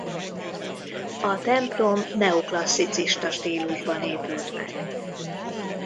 A templom neoklasszicista stílusban épült meg.